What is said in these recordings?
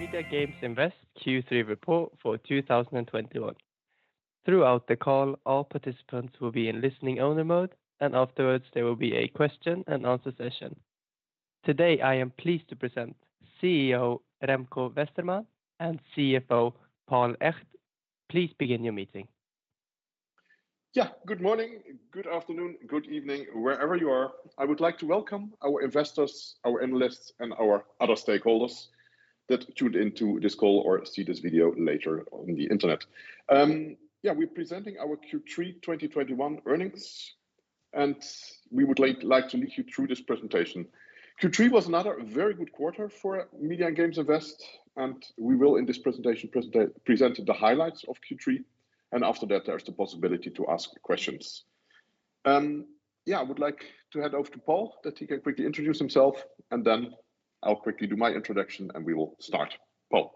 Media and Games Invest Q3 Report for 2021. Throughout the call, all participants will be in listening-only mode, and afterwards there will be a question-and-answer session. Today, I am pleased to present CEO Remco Westermann and CFO Paul Echt. Please begin your meeting. Yeah. Good morning, good afternoon, good evening, wherever you are. I would like to welcome our investors, our analysts, and our other stakeholders that tune into this call or see this video later on the Internet. We're presenting our Q3 2021 earnings, and we would like to lead you through this presentation. Q3 was another very good quarter for Media and Games Invest, and we will in this presentation present the highlights of Q3, and after that there's the possibility to ask questions. I would like to hand over to Paul that he can quickly introduce himself and then I'll quickly do my introduction and we will start. Paul.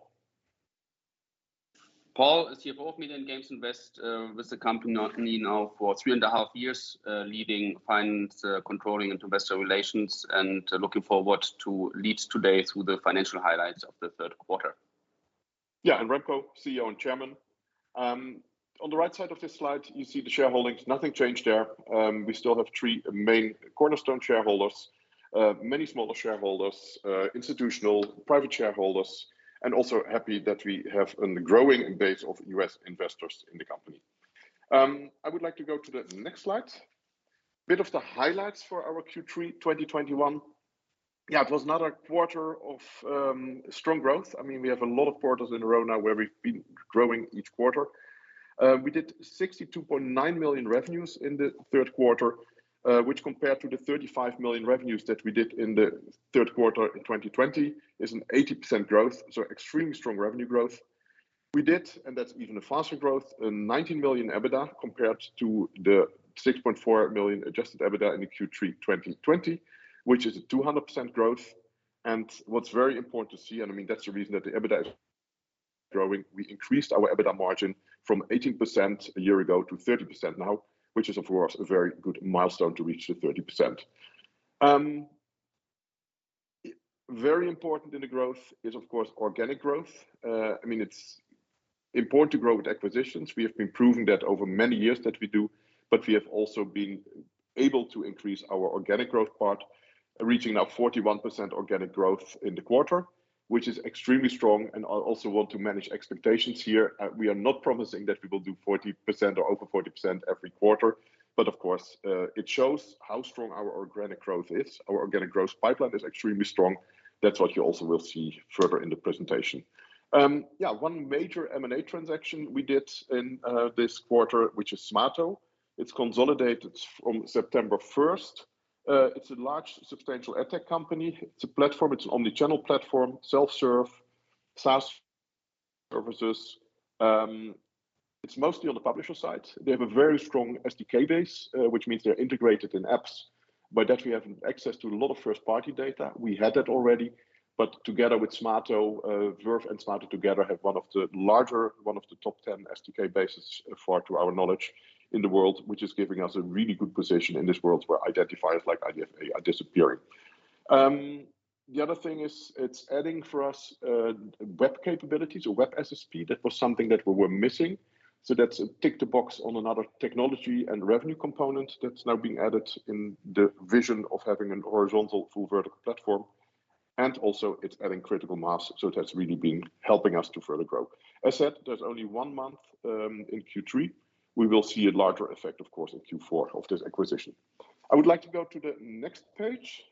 Paul, CFO of Media and Games Invest. I've been with the company now for three and a half years, leading finance, controlling, investor relations, and looking forward to lead today through the financial highlights of the third quarter. Yeah. Remco, CEO and Chairman. On the right side of this slide, you see the shareholdings. Nothing changed there. We still have three main cornerstone shareholders, many smaller shareholders, institutional private shareholders, and also happy that we have a growing base of U.S. investors in the company. I would like to go to the next slide. Bit of the highlights for our Q3 2021. Yeah, it was another quarter of strong growth. I mean, we have a lot of quarters in a row now where we've been growing each quarter. We did 62.9 million revenues in the third quarter, which compared to the 35 million revenues that we did in the third quarter in 2020 is an 80% growth. Extremely strong revenue growth. We did, and that's even a faster growth, a 19 million EBITDA compared to the 6.4 million adjusted EBITDA in the Q3 2020, which is a 200% growth. What's very important to see, and I mean, that's the reason that the EBITDA is growing, we increased our EBITDA margin from 18% a year ago to 30% now, which is of course a very good milestone to reach the 30%. Very important in the growth is of course organic growth. I mean, it's important to grow with acquisitions. We have been proving that over many years that we do, but we have also been able to increase our organic growth part, reaching now 41% organic growth in the quarter, which is extremely strong. I also want to manage expectations here. We are not promising that we will do 40% or over 40% every quarter, but of course, it shows how strong our organic growth is. Our organic growth pipeline is extremely strong. That's what you also will see further in the presentation. One major M&A transaction we did in this quarter, which is Smaato. It's consolidated from September 1st. It's a large substantial ad tech company. It's a platform, it's omnichannel platform, self-serve, SaaS services. It's mostly on the publisher side. They have a very strong SDK base, which means they're integrated in apps. By that we have access to a lot of first-party data. We had that already, but together with Smaato, Verve and Smaato together have one of the larger, one of the top 10 SDK bases for, to our knowledge, in the world, which is giving us a really good position in this world where identifiers like IDFA are disappearing. The other thing is it's adding for us web capabilities or web SSP that was something that we were missing. That's a tick the box on another technology and revenue component that's now being added in the vision of having a horizontal full vertical platform. Also it's adding critical mass. That's really been helping us to further grow. As said, there's only one month in Q3. We will see a larger effect of course in Q4 of this acquisition. I would like to go to the next page,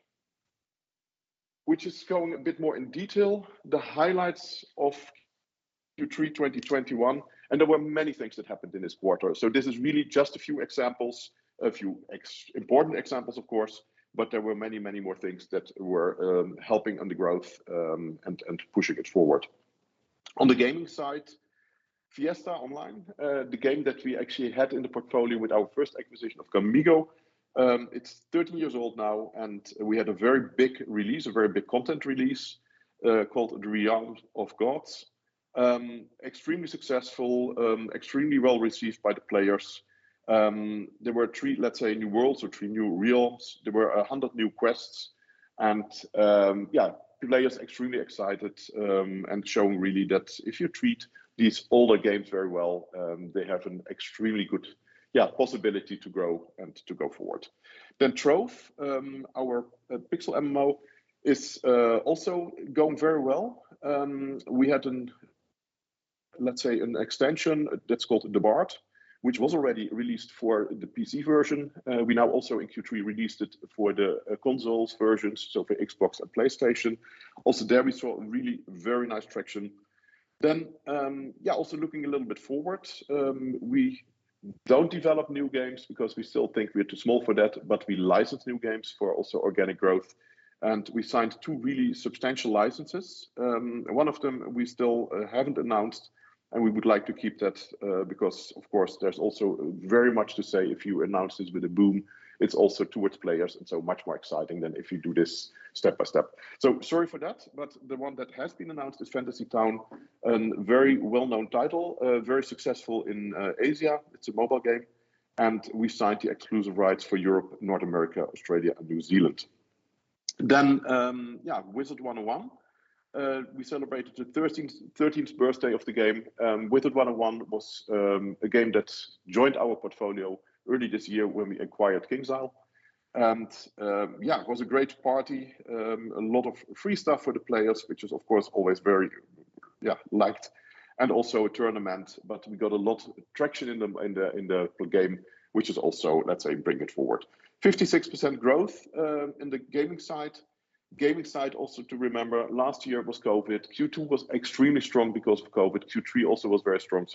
which is going a bit more in detail, the highlights of Q3 2021, and there were many things that happened in this quarter. This is really just a few important examples of course, but there were many, many more things that were helping on the growth, and pushing it forward. On the gaming side, Fiesta Online, the game that we actually had in the portfolio with our first acquisition of gamigo, it's 13 years old now, and we had a very big release, a very big content release, called the Realm of the Gods. Extremely successful, extremely well received by the players. There were three, let's say new worlds or three new realms. There were 100 new quests and players extremely excited and showing really that if you treat these older games very well, they have an extremely good possibility to grow and to go forward. Trove, our voxel MMO, is also going very well. We had, let's say, an extension that's called The Bard, which was already released for the PC version. We now also in Q3 released it for the console versions, so for Xbox and PlayStation. Also there we saw a really very nice traction. Also looking a little bit forward, we don't develop new games because we still think we are too small for that, but we license new games for also organic growth, and we signed two really substantial licenses. One of them we still haven't announced, and we would like to keep that because of course, there's also very much to say if you announce this with a boom. It's also towards players and so much more exciting than if you do this step by step. Sorry for that, but the one that has been announced is Fantasy Town, very well known title, very successful in Asia. It's a mobile game. We signed the exclusive rights for Europe, North America, Australia, and New Zealand. Yeah, Wizard101, we celebrated the thirteenth birthday of the game. Wizard101 was a game that joined our portfolio early this year when we acquired KingsIsle. It was a great party, a lot of free stuff for the players, which is of course always very liked, and also a tournament. We got a lot of traction in the game, which is also, let's say, bring it forward. 56% growth in the gaming side. Gaming side also to remember last year was COVID. Q2 was extremely strong because of COVID. Q3 also was very strong.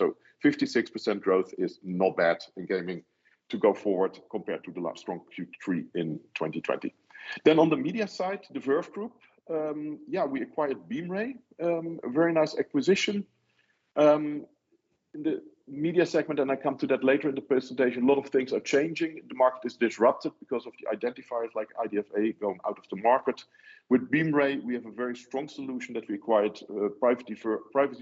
56% growth is not bad in gaming to go forward compared to the last strong Q3 in 2020. On the media side, the Verve Group, we acquired Beemray, a very nice acquisition. In the media segment, and I come to that later in the presentation, a lot of things are changing. The market is disrupted because of the identifiers like IDFA going out of the market. With Beemray, we have a very strong solution that we acquired, privacy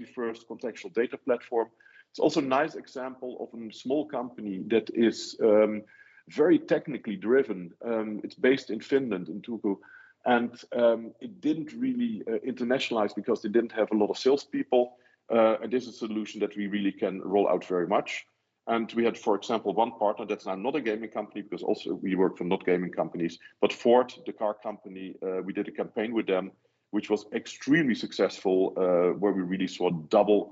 first contextual data platform. It's also a nice example of a small company that is very technically driven. It's based in Finland, in Turku, and it didn't really internationalize because they didn't have a lot of salespeople. This is a solution that we really can roll out very much. We had, for example, one partner that's not a gaming company because also we work for not gaming companies. Ford, the car company, we did a campaign with them which was extremely successful, where we really saw double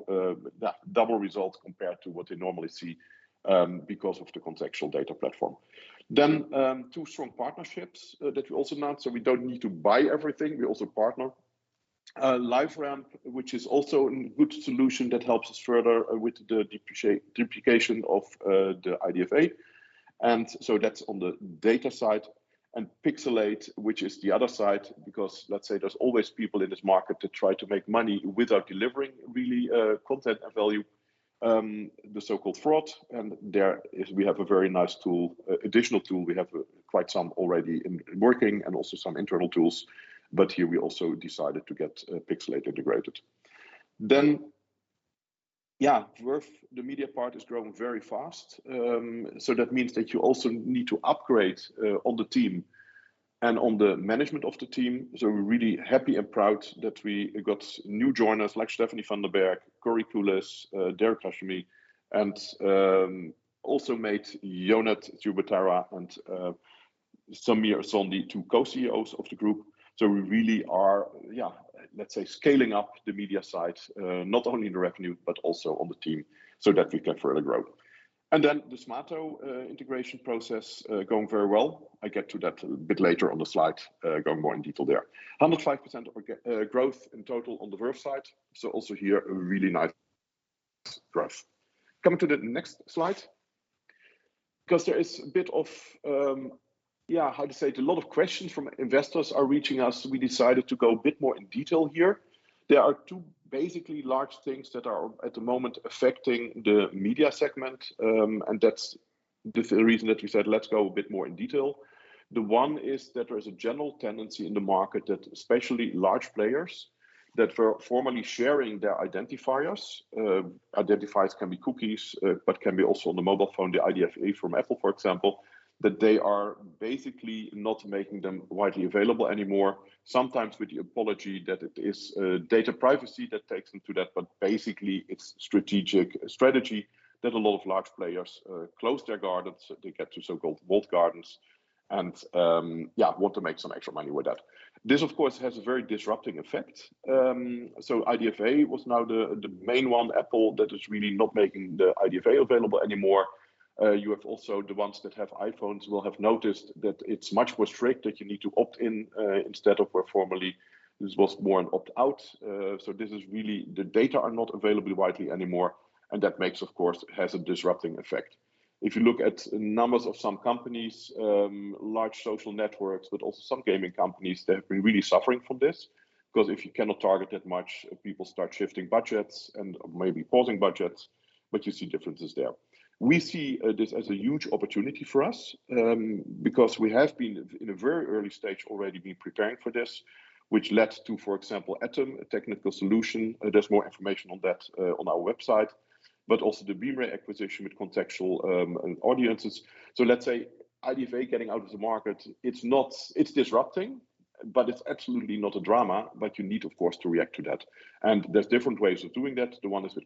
results compared to what they normally see, because of the contextual data platform. Two strong partnerships that we also announced, so we don't need to buy everything. We also partner. LiveRamp, which is also a good solution that helps us further with the deprecation of the IDFA. That's on the data side. Pixalate, which is the other side, because let's say there's always people in this market that try to make money without delivering really content and value, the so-called fraud. We have a very nice tool, additional tool. We have quite some already in working and also some internal tools. Here we also decided to get Pixalate integrated. Verve, the media part is growing very fast. That means that you also need to upgrade on the team and on the management of the team. We're really happy and proud that we got new joiners like Stephanie Vandenberg, Corey Kulis, Derek Hashemi, and also made Ionut Ciobotaru and Sameer Sondhi two Co-CEOs of the group. We really are, yeah, let's say, scaling up the media side, not only in the revenue, but also on the team so that we can further grow. The Smaato integration process going very well. I get to that a bit later on the slide, going more in detail there. 105% of our growth in total on the Verve side. Also here, a really nice growth. Coming to the next slide, because there is a bit of, how to say it, a lot of questions from investors are reaching us, we decided to go a bit more in detail here. There are two basically large things that are at the moment affecting the media segment, and that's the reason that we said, let's go a bit more in detail. The one is that there is a general tendency in the market that especially large players that were formerly sharing their identifiers can be cookies, but can be also on the mobile phone, the IDFA from Apple, for example, that they are basically not making them widely available anymore. Sometimes with the apology that it is data privacy that takes them to that, but basically, it's strategic that a lot of large players close their gardens. They get to so-called walled gardens and want to make some extra money with that. This of course has a very disruptive effect. IDFA was now the main one, Apple, that is really not making the IDFA available anymore. You have also the ones that have iPhones will have noticed that it's much more strict, that you need to opt in, instead of where formerly this was more an opt-out. This is really the data are not available widely anymore, and that makes, of course, has a disruptive effect. If you look at numbers of some companies, large social networks, but also some gaming companies, they've been really suffering from this. 'Cause if you cannot target that much, people start shifting budgets and maybe pausing budgets. You see differences there. We see this as a huge opportunity for us, because we have been in a very early stage already been preparing for this, which led to, for example, ATOM, a technical solution. There's more information on that on our website. Also the Beemray acquisition with contextual audiences. Let's say IDFA getting out of the market, it's disrupting, but it's absolutely not a drama. You need, of course, to react to that. There's different ways of doing that. The one is with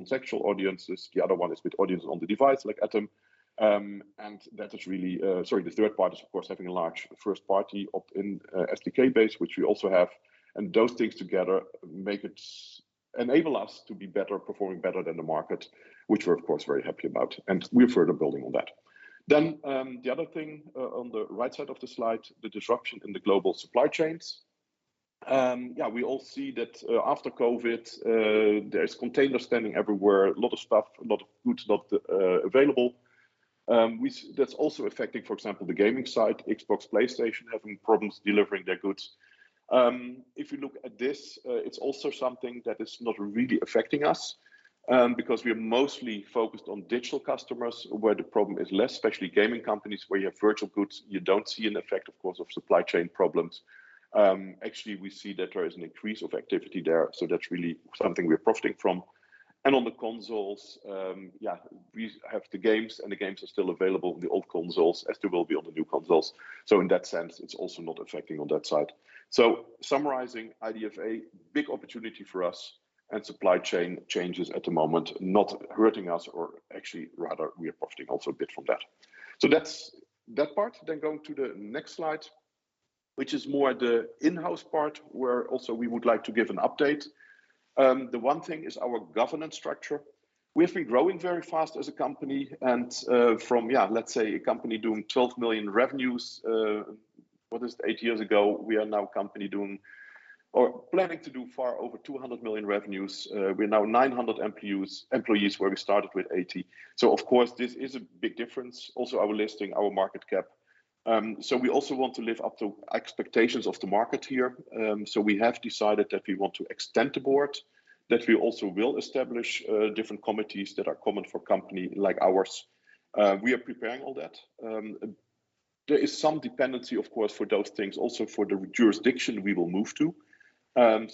contextual audiences, the other one is with audience on the device like ATOM. That is really the third part is of course having a large first-party opt-in SDK base, which we also have. Those things together enable us to be better performing better than the market, which we're of course very happy about, and we're further building on that. The other thing on the right side of the slide, the disruption in the global supply chains. Yeah, we all see that after COVID, there's containers standing everywhere, a lot of stuff, a lot of goods not available, which that's also affecting, for example, the gaming side, Xbox, PlayStation having problems delivering their goods. If you look at this, it's also something that is not really affecting us because we are mostly focused on digital customers where the problem is less, especially gaming companies where you have virtual goods. You don't see an effect, of course, of supply chain problems. Actually, we see that there is an increase of activity there, so that's really something we're profiting from. On the consoles, we have the games, and the games are still available on the old consoles as they will be on the new consoles. In that sense, it's also not affecting on that side. Summarizing IDFA, big opportunity for us and supply chain changes at the moment not hurting us or actually rather we are profiting also a bit from that. That's that part. Going to the next slide, which is more the in-house part where also we would like to give an update. The one thing is our governance structure. We have been growing very fast as a company and, from, yeah, let's say a company doing 12 million revenues eight years ago, we are now a company doing or planning to do far over 200 million revenues. We're now 900 employees where we started with 80. So of course, this is a big difference. Also our listing, our market cap. We also want to live up to expectations of the market here. We have decided that we want to extend the board, that we also will establish different committees that are common for company like ours. We are preparing all that. There is some dependency of course, for those things also for the jurisdiction we will move to.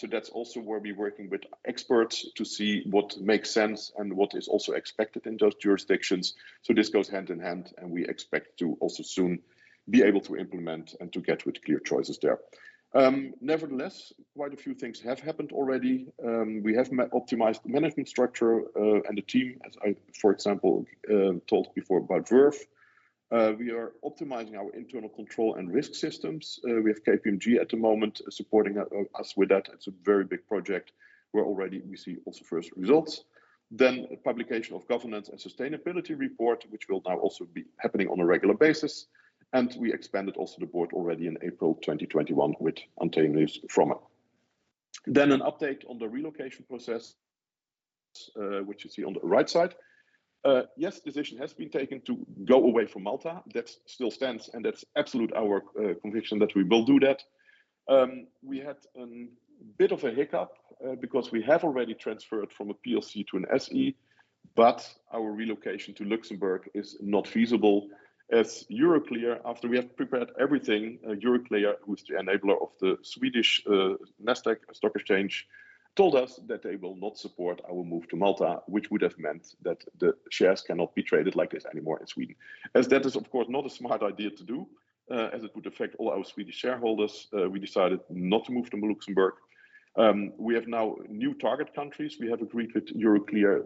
That's also where we're working with experts to see what makes sense and what is also expected in those jurisdictions. This goes hand in hand, and we expect to also soon be able to implement and to get with clear choices there. Nevertheless, quite a few things have happened already. We have optimized the management structure and the team, as I, for example, told before about Verve. We are optimizing our internal control and risk systems. We have KPMG at the moment supporting us with that. It's a very big project where already we see also first results. Publication of governance and sustainability report, which will now also be happening on a regular basis. We expanded also the board already in April 2021 with Antonius Fromm. An update on the relocation process, which you see on the right side. Yes, decision has been taken to go away from Malta. That still stands, and that's absolutely our conviction that we will do that. We had a bit of a hiccup because we have already transferred from a PLC to an SE, but our relocation to Luxembourg is not feasible as Euroclear, after we have prepared everything, Euroclear, who's the enabler of the Swedish Nasdaq Stock Exchange, told us that they will not support our move to Malta, which would have meant that the shares cannot be traded like this anymore in Sweden. As that is of course not a smart idea to do as it would affect all our Swedish shareholders, we decided not to move to Luxembourg. We have now new target countries. We have agreed with Euroclear.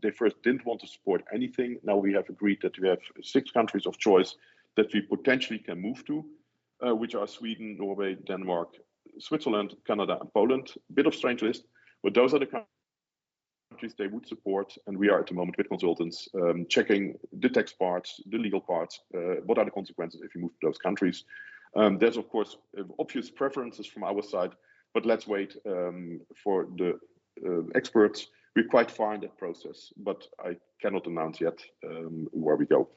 They first didn't want to support anything. Now we have agreed that we have six countries of choice that we potentially can move to, which are Sweden, Norway, Denmark, Switzerland, Canada, and Poland. Bit of strange list, but those are the countries they would support. We are at the moment with consultants, checking the tax parts, the legal parts, what are the consequences if you move to those countries. There's of course obvious preferences from our side, but let's wait for the experts. We're quite far in that process, but I cannot announce yet where we go.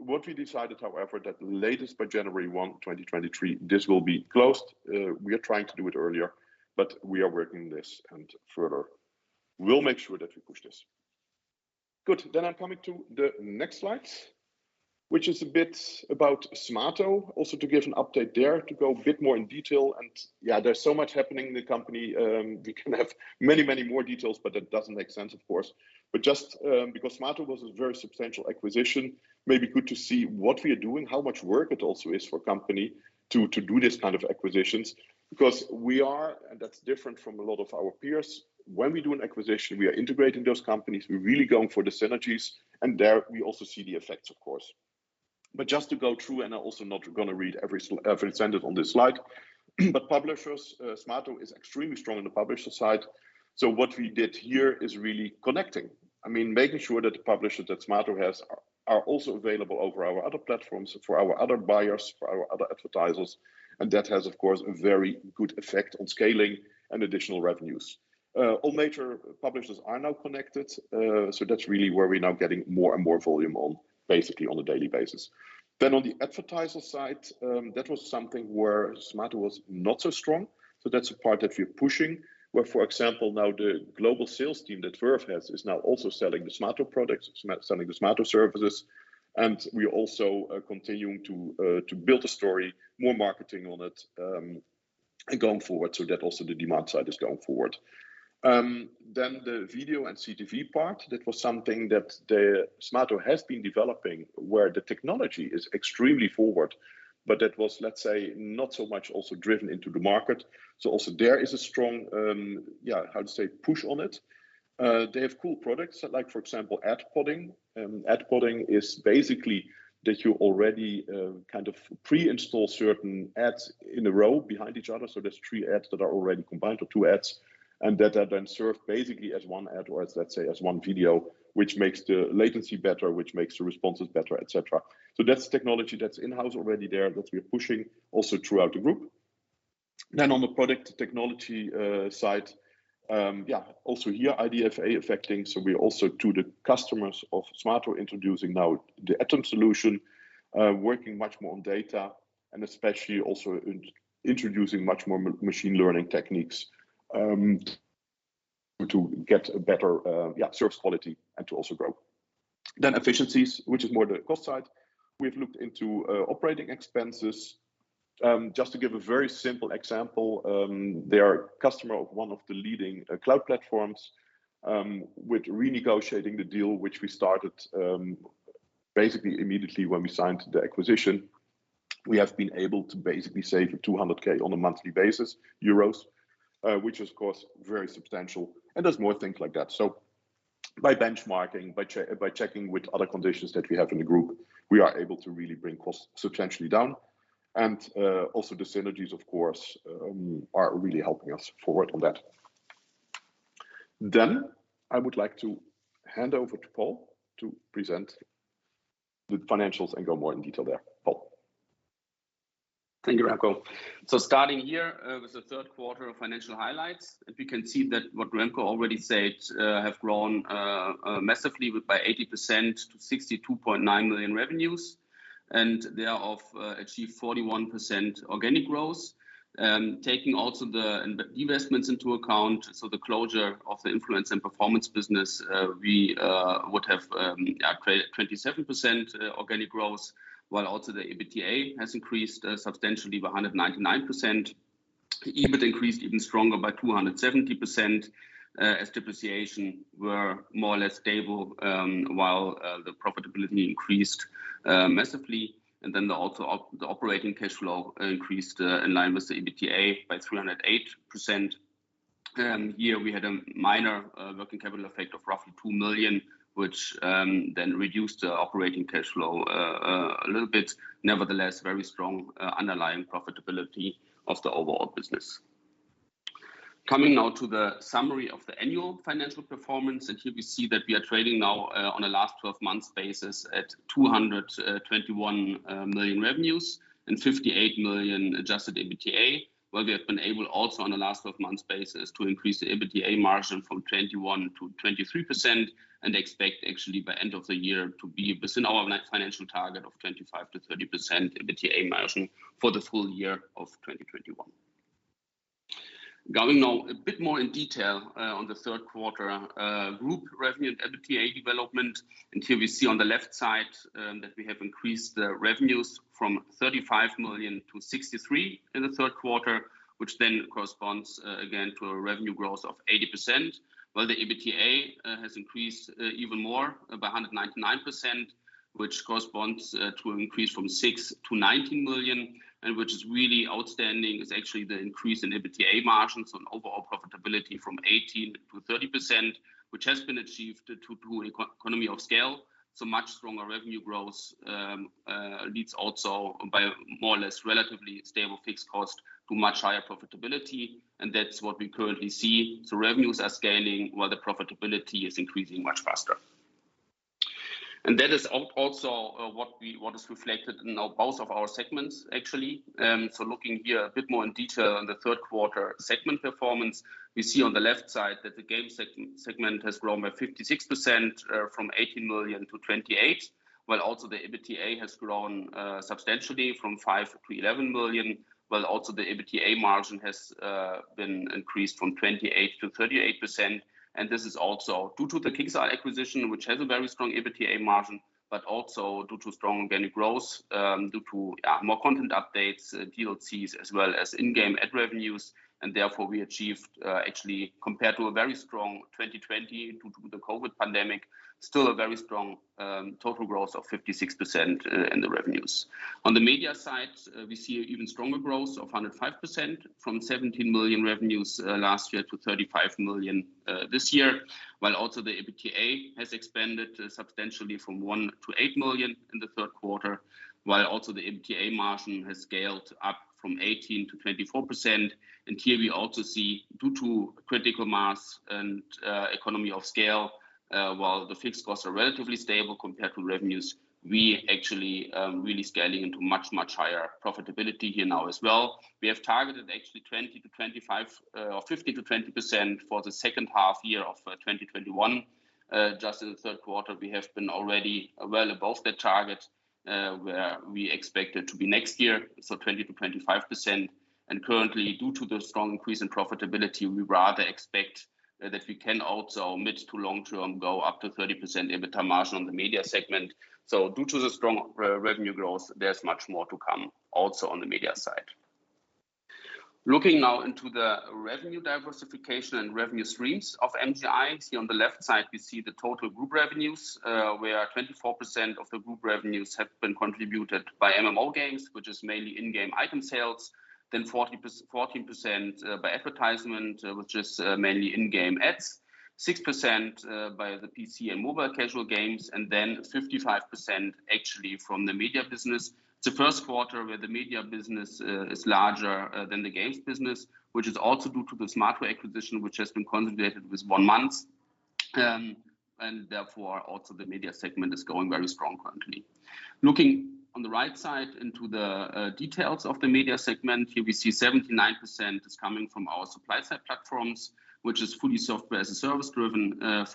What we decided, however, that latest by January 1, 2023, this will be closed. We are trying to do it earlier, but we are working this and further. We'll make sure that we push this. Good. I'm coming to the next slide, which is a bit about Smaato, also to give an update there, to go a bit more in detail. Yeah, there's so much happening in the company. We can have many more details, but that doesn't make sense, of course. Just because Smaato was a very substantial acquisition, maybe good to see what we are doing, how much work it also is for company to do this kind of acquisitions. Because we are, and that's different from a lot of our peers, when we do an acquisition, we are integrating those companies. We're really going for the synergies, and there we also see the effects, of course. Just to go through, and I'm also not gonna read every sentence on this slide, but publishers, Smaato is extremely strong in the publisher side. So what we did here is really connecting. I mean, making sure that the publishers that Smaato has are also available over our other platforms for our other buyers, for our other advertisers. That has, of course, a very good effect on scaling and additional revenues. All major publishers are now connected. That's really where we're now getting more and more volume on, basically on a daily basis. On the advertiser side, that was something where Smaato was not so strong. That's a part that we're pushing, where, for example, now the global sales team that Verve has is now also selling the Smaato products, selling the Smaato services. We're also continuing to build a story, more marketing on it, and going forward so that also the demand side is going forward. The video and CTV part, that was something that the Smaato has been developing where the technology is extremely forward, but that was, let's say, not so much also driven into the market. Also there is a strong push on it. They have cool products like, for example, Ad podding. Ad podding is basically that you already kind of pre-install certain ads in a row behind each other. There's three ads that are already combined or two ads, and that are then served basically as one ad or as, let's say, as one video, which makes the latency better, which makes the responses better, etc. That's technology that's in-house already there that we are pushing also throughout the group. On the product technology side, also here IDFA affecting. We also included customers of Smaato introducing now, the ATOM solution working much more on data and especially also introducing much more machine learning techniques, to get a better service quality and to also grow. Efficiencies, which is more the cost side. We've looked into operating expenses. Just to give a very simple example, they are a customer of one of the leading cloud platforms, with renegotiating the deal which we started basically immediately when we signed the acquisition. We have been able to basically save 200,000 on a monthly basis, which is of course very substantial, and there's more things like that. By benchmarking, by checking with other conditions that we have in the group, we are able to really bring costs substantially down. Also the synergies of course are really helping us forward on that. I would like to hand over to Paul to present the financials and go more in detail there. Paul. Thank you, Remco. Starting here with the third quarter financial highlights, we can see that what Remco already said have grown massively by 80% to 62.9 million revenues. They have achieved 41% organic growth. Taking also the divestments into account, the closure of the influence and performance business, we would have created 27% organic growth, while also the EBITDA has increased substantially by 199%. EBIT increased even stronger by 270%, as depreciation were more or less stable, while the profitability increased massively. The operating cash flow increased in line with the EBITDA by 308%. Here we had a minor working capital effect of roughly 2 million, which then reduced the operating cash flow a little bit. Nevertheless, very strong underlying profitability of the overall business. Coming now to the summary of the annual financial performance, and here we see that we are trading now on a last 12 months basis at 221 million revenues and 58 million adjusted EBITDA, while we have been able also on a last 12 months basis to increase the EBITDA margin from 21%-23% and expect actually by end of the year to be within our financial target of 25%-30% EBITDA margin for the full year of 2021. Going now a bit more in detail on the third quarter group revenue and EBITDA development. Here we see on the left side that we have increased the revenues from 35 million-63 million in the third quarter, which then corresponds again to a revenue growth of 80%, while the EBITDA has increased even more by 199%, which corresponds to an increase from 6 million-19 million. Which is really outstanding is actually the increase in EBITDA margins and overall profitability from 18%-30%, which has been achieved through economies of scale. Much stronger revenue growth leads also, by more or less relatively stable fixed costs, to much higher profitability, and that's what we currently see. Revenues are scaling while the profitability is increasing much faster. That is also what is reflected in now both of our segments actually. Looking here a bit more in detail on the third quarter segment performance. We see on the left side that the game segment has grown by 56%, from 18 million to 28 million, while also the EBITDA has grown substantially from 5 million to 11 million, while also the EBITDA margin has been increased from 28% to 38%. This is also due to the KingsIsle acquisition, which has a very strong EBITDA margin, but also due to strong revenue growth, due to more content updates, DLCs, as well as in-game ad revenues. Therefore, we achieved, actually compared to a very strong 2020 due to the COVID pandemic, still a very strong total growth of 56% in the revenues. On the media side, we see even stronger growth of 105% from 17 million revenues last year to 35 million this year, while also the EBITDA has expanded substantially from 1 million to 8 million in the third quarter, while also the EBITDA margin has scaled up from 18% to 24%. Here we also see due to critical mass and economy of scale, while the fixed costs are relatively stable compared to revenues, we actually really scaling into much higher profitability here now as well. We have targeted actually 20%-25% or 50%-20% for the second half year of 2021. Just in the third quarter, we have been already well above the target where we expect it to be next year, so 20%-25%. Currently, due to the strong increase in profitability, we rather expect that we can also mid to long term go up to 30% EBITDA margin on the media segment. Due to the strong revenue growth, there's much more to come also on the media side. Looking now into the revenue diversification and revenue streams of MGI. See on the left side, we see the total group revenues, where 24% of the group revenues have been contributed by MMO games, which is mainly in-game item sales, then 14% by advertisement, which is mainly in-game ads, 6% by the PC and mobile casual games, and then 55% actually from the media business. It's the first quarter where the media business is larger than the games business, which is also due to the Smaato acquisition, which has been consolidated with one month. Therefore, also the media segment is going very strong currently. Looking on the right side into the details of the media segment, here we see 79% is coming from our supply side platforms, which is fully software as a service driven, 14%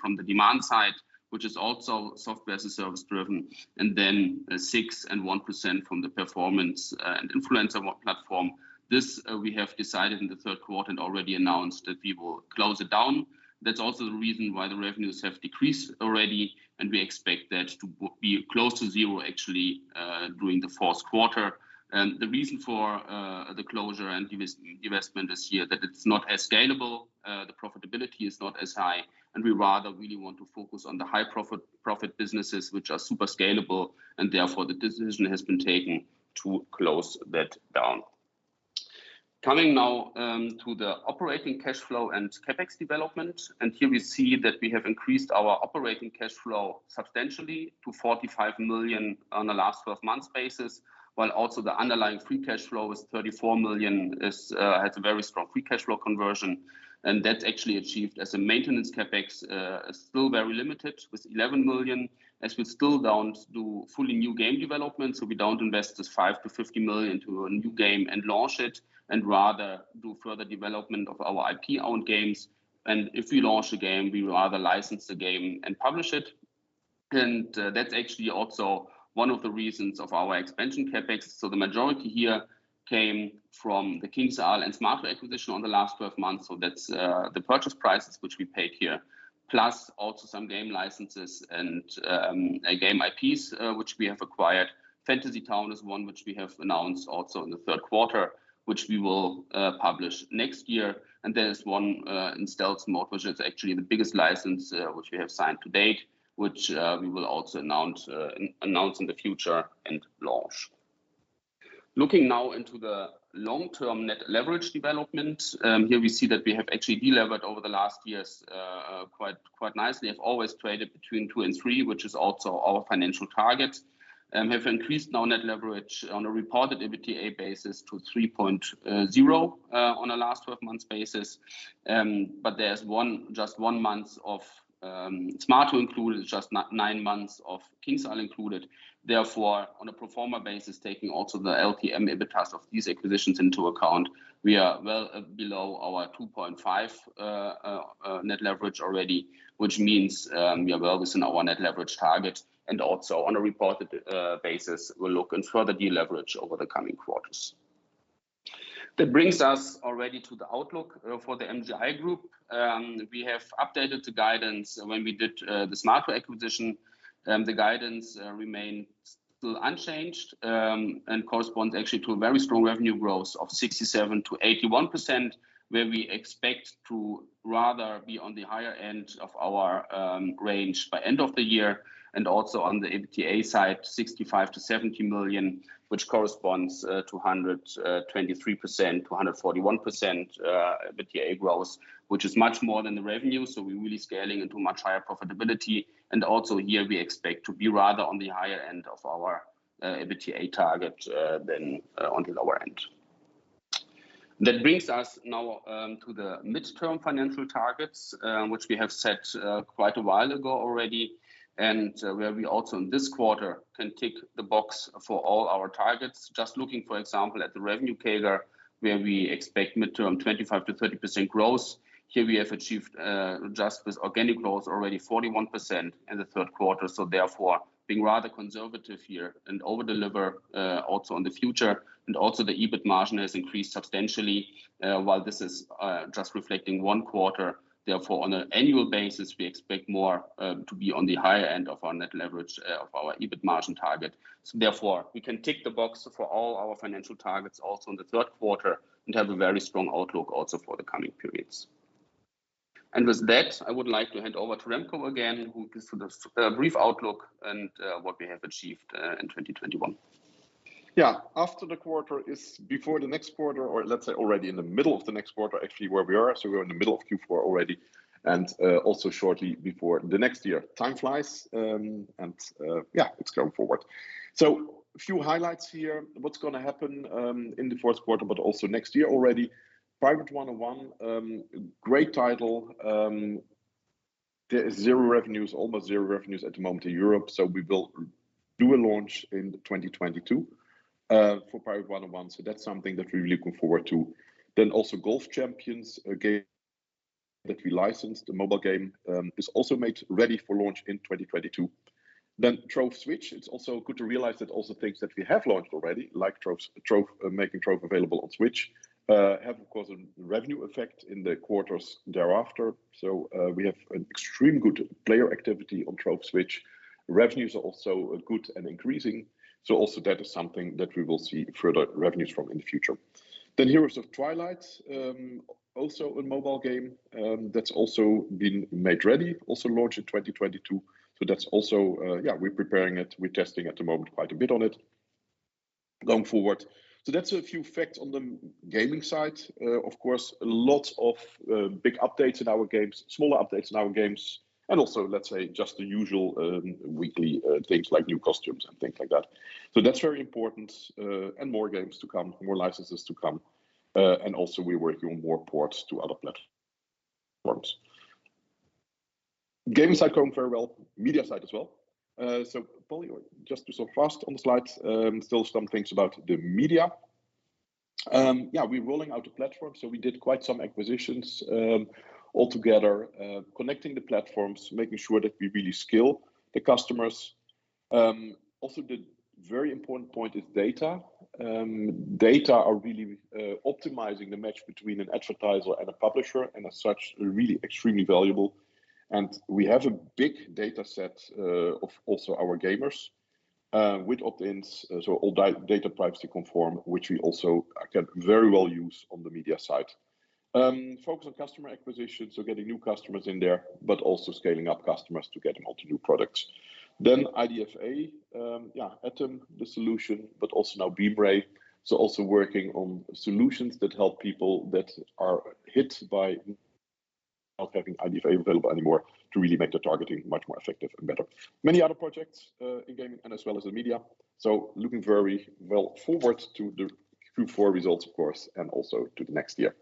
from the demand side, which is also software as a service driven, and then 6% and 1% from the performance and influencer platform. This we have decided in the third quarter and already announced that we will close it down. That's also the reason why the revenues have decreased already, and we expect that to be close to zero actually, during the fourth quarter. The reason for the closure and divestment this year that it's not as scalable, the profitability is not as high, and we rather really want to focus on the high profit businesses which are super scalable and therefore the decision has been taken to close that down. Coming now to the operating cash flow and CapEx development, and here we see that we have increased our operating cash flow substantially to 45 million on a last 12 months basis, while also the underlying free cash flow is 34 million, has a very strong free cash flow conversion, and that's actually achieved as a maintenance CapEx still very limited with 11 million as we still don't do fully new game development, so we don't invest this 5 million-50 million to a new game and launch it, and rather do further development of our IP-owned games. If we launch a game, we will either license the game and publish it. That's actually also one of the reasons of our expansion CapEx. The majority here came from the KingsIsle and Smaato acquisition on the last 12 months. That's the purchase prices which we paid here, plus also some game licenses and game IPs which we have acquired. Fantasy Town is one which we have announced also in the third quarter, which we will publish next year. There is one in stealth mode, which is actually the biggest license which we have signed to date, which we will also announce in the future and launch. Looking now into the long-term net leverage development, here we see that we have actually deleveraged over the last years quite nicely, have always traded between two and three, which is also our financial target, have increased now net leverage on a reported EBITDA basis to 3.0 on a last 12 months basis. There's just one month of Smaato included, just nine months of KingsIsle included. Therefore, on a pro forma basis, taking also the LTM EBITDAs of these acquisitions into account, we are well below our 2.5 net leverage already, which means we are well within our net leverage target and also on a reported basis, we'll look to further deleverage over the coming quarters. That brings us already to the outlook for the MGI Group. We have updated the guidance when we did the Smaato acquisition. The guidance remains still unchanged and corresponds actually to a very strong revenue growth of 67%-81%, where we expect to rather be on the higher end of our range by end of the year, and also on the EBITDA side, 65 million-70 million, which corresponds to 123%-141% EBITDA growth, which is much more than the revenue. We're really scaling into much higher profitability. Also here, we expect to be rather on the higher end of our EBITDA target than on the lower end. That brings us now to the midterm financial targets, which we have set quite a while ago already, and where we also in this quarter can tick the box for all our targets. Just looking, for example, at the revenue CAGR, where we expect mid-term 25%-30% growth. Here we have achieved just with organic growth already 41% in the third quarter. We are being rather conservative here and over-deliver also on the future. Also the EBIT margin has increased substantially. While this is just reflecting one quarter, therefore, on an annual basis, we expect more to be on the higher end of our net leverage of our EBIT margin target. We can tick the box for all our financial targets also in the third quarter and have a very strong outlook also for the coming periods. With that, I would like to hand over to Remco again, who gives us a brief outlook on what we have achieved in 2021. Yeah. After the quarter is before the next quarter, or let's say already in the middle of the next quarter, actually where we are. We're in the middle of Q4 already, and also shortly before the next year. Time flies, and it's going forward. A few highlights here. What's gonna happen in the fourth quarter, but also next year already. Pirate101, great title. There is zero revenues, almost zero revenues at the moment in Europe. We will do a launch in 2022 for Pirate101. That's something that we're really looking forward to. Then also Golf Champions, a game that we licensed, a mobile game, is also made ready for launch in 2022. Then Trove Switch. It's also good to realize that things that we have launched already, like Trove, making Trove available on Switch, have of course a revenue effect in the quarters thereafter. We have an extremely good player activity on Trove Switch. Revenues are also good and increasing. That is something that we will see further revenues from in the future. Heroes of Twilight, also a mobile game, that's also been made ready, launch in 2022. That's also, we're preparing it. We're testing at the moment quite a bit on it going forward. That's a few facts on the gaming side. Of course, lots of big updates in our games, smaller updates in our games, and also, let's say, just the usual, weekly things like new costumes and things like that. That's very important, and more games to come, more licenses to come. Also we're working on more ports to other platforms. Gaming side going very well, media side as well. Probably just go fast on the slides, still some things about the media. Yeah, we're rolling out a platform, so we did quite some acquisitions, altogether connecting the platforms, making sure that we really scale the customers. Also the very important point is data. Data are really optimizing the match between an advertiser and a publisher, and as such, really extremely valuable. We have a big data set of also our gamers with opt-ins, so all data privacy conform, which we also can very well use on the media side. Focus on customer acquisition, so getting new customers in there, but also scaling up customers to get them onto new products. IDFA, yeah, ATOM, the solution, but also now Beemray. Also working on solutions that help people that are hit by not having IDFA available anymore to really make the targeting much more effective and better. Many other projects in gaming and as well as the media. Looking very well forward to the Q4 results, of course, and also to the next year.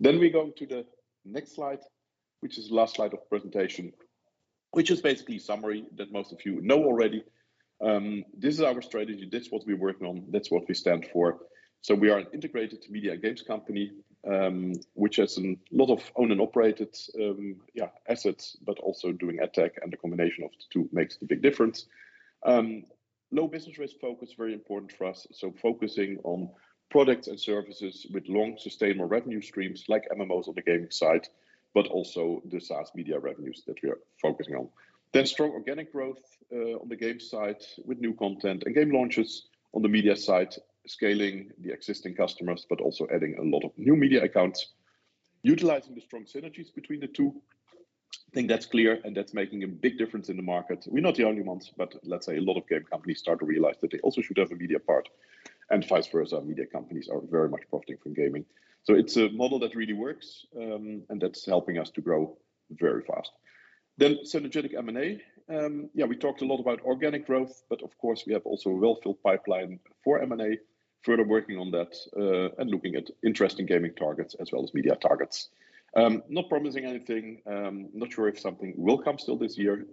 We go to the next slide, which is the last slide of presentation, which is basically a summary that most of you know already. This is our strategy. This is what we're working on. That's what we stand for. We are an integrated media and games company, which has a lot of own and operated assets, but also doing ad tech and the combination of the two makes the big difference. Low business risk focus, very important for us. Focusing on products and services with long, sustainable revenue streams like MMOs on the gaming side, but also the SaaS media revenues that we are focusing on. Strong organic growth on the game side with new content and game launches on the media side, scaling the existing customers, but also adding a lot of new media accounts, utilizing the strong synergies between the two. I think that's clear and that's making a big difference in the market. We're not the only ones, but let's say a lot of game companies start to realize that they also should have a media part and vice versa. Media companies are very much profiting from gaming. It's a model that really works and that's helping us to grow very fast. Synergistic M&A. Yeah, we talked a lot about organic growth, but of course we have also a well-filled pipeline for M&A, further working on that and looking at interesting gaming targets as well as media targets. Not promising anything. Not sure if something will come still this year.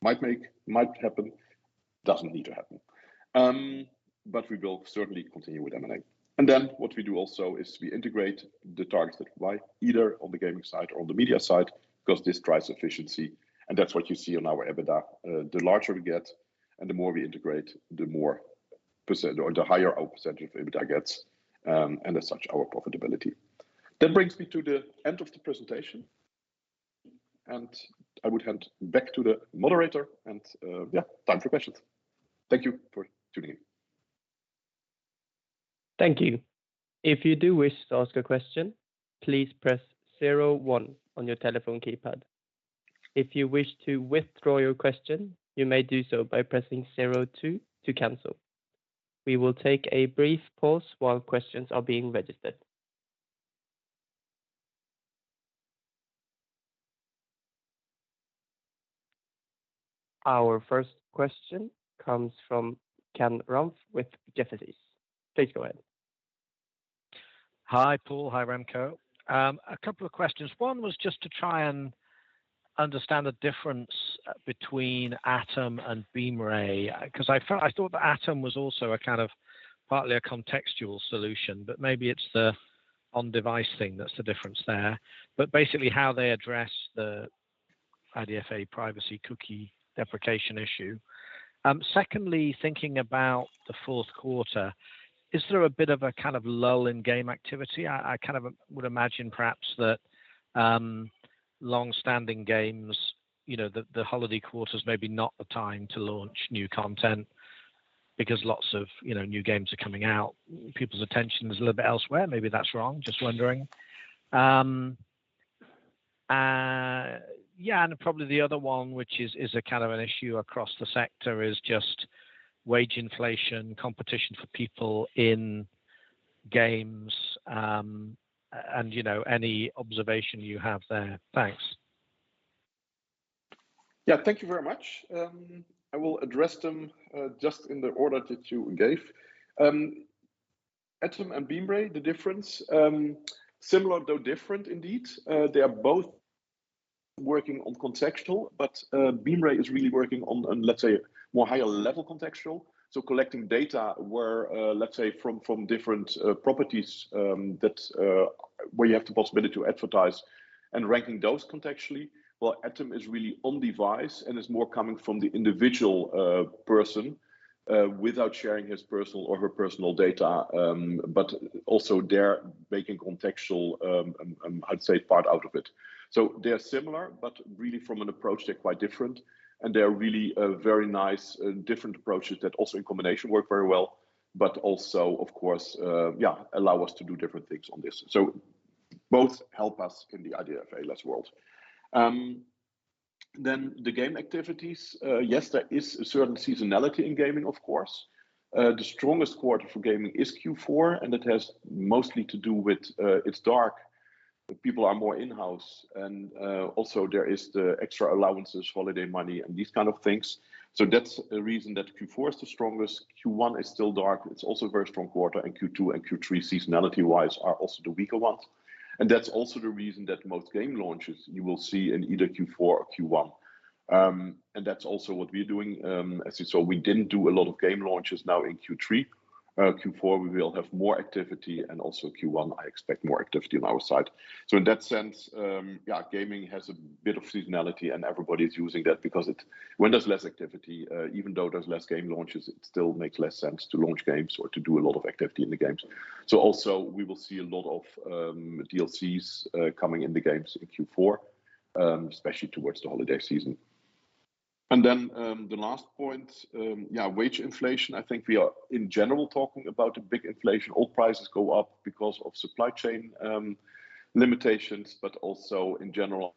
Might make, might happen, doesn't need to happen. We will certainly continue with M&A. What we do also is we integrate the targets that we buy either on the gaming side or on the media side because this drives efficiency. That's what you see on our EBITDA. The larger we get and the more we integrate, the more percent or the higher our percentage of EBITDA gets and as such our profitability. That brings me to the end of the presentation. I would hand back to the moderator and yeah, time for questions. Thank you for tuning in. Thank you. If you do wish to ask a question, please press zero one on your telephone keypad. If you wish to withdraw your question, you may do so by pressing zero two to cancel. We will take a brief pause while questions are being registered. Our first question comes from Ken Rumph with Jefferies. Please go ahead. Hi, Paul. Hi, Remco. A couple of questions. One was just to try and understand the difference between ATOM and Beemray. Because I thought that ATOM was also a kind of partly a contextual solution, but maybe it's the on-device thing that's the difference there. But basically how they address the IDFA privacy cookie deprecation issue. Secondly, thinking about the fourth quarter, is there a bit of a kind of lull in game activity? I kind of would imagine perhaps that longstanding games, you know, the holiday quarter is maybe not the time to launch new content because lots of, you know, new games are coming out. People's attention is a little bit elsewhere. Maybe that's wrong. Just wondering. Yeah, probably the other one, which is a kind of an issue across the sector, is just wage inflation, competition for people in games and, you know, any observation you have there. Thanks. Yeah, thank you very much. I will address them just in the order that you gave. ATOM and Beemray, the difference, similar though different indeed. They are both working on contextual, but Beemray is really working on, let's say, more higher level contextual. So collecting data where, let's say, from different properties that where you have the possibility to advertise and ranking those contextually. Well, ATOM is really on device and is more coming from the individual person without sharing his personal or her personal data. But also they're making contextual, I'd say, part out of it. So they are similar, but really from an approach, they're quite different. They are really very nice, different approaches that also in combination work very well, but also, of course, yeah, allow us to do different things on this. So both help us in the IDFA-less world. The game activities. Yes, there is a certain seasonality in gaming, of course. The strongest quarter for gaming is Q4, and it has mostly to do with it's dark, but people are more in-house. Also there is the extra allowances, holiday money and these kind of things. That's a reason that Q4 is the strongest. Q1 is still dark. It's also a very strong quarter. Q2 and Q3, seasonality-wise, are also the weaker ones. That's also the reason that most game launches you will see in either Q4 or Q1. That's also what we're doing. We didn't do a lot of game launches now in Q3. Q4, we will have more activity. Also Q1, I expect more activity on our side. In that sense, yeah, gaming has a bit of seasonality and everybody is using that because when there's less activity, even though there's less game launches, it still makes less sense to launch games or to do a lot of activity in the games. Also we will see a lot of DLCs coming in the games in Q4, especially towards the holiday season. Then, the last point, yeah, wage inflation. I think we are in general talking about a big inflation. All prices go up because of supply chain limitations, but also in general,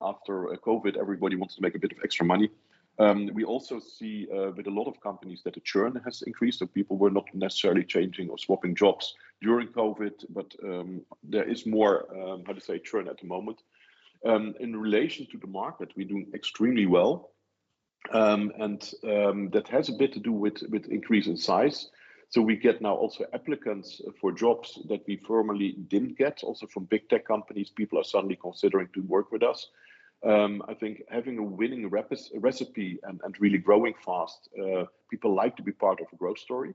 after COVID, everybody wants to make a bit of extra money. We also see with a lot of companies that the churn has increased. People were not necessarily changing or swapping jobs during COVID, but there is more, how to say, churn at the moment. In relation to the market, we're doing extremely well. That has a bit to do with increase in size. We get now also applicants for jobs that we formerly didn't get also from big tech companies. People are suddenly considering to work with us. I think having a winning recipe and really growing fast, people like to be part of a growth story.